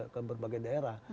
ke berbagai daerah